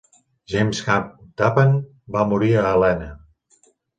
James Camp Tappan va morir a Helena.